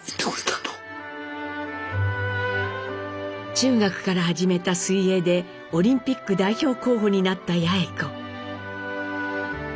中学から始めた水泳でオリンピック代表候補になった八詠子。